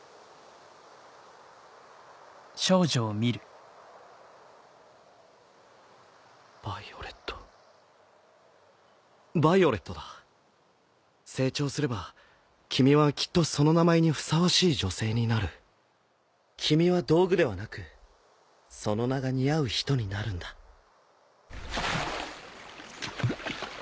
風の音ヴァイオレットヴァイオレットだ成長すれば君はきっとその名前にふさわしい女性になる君は道具ではなくその名が似合う人になるんだはい。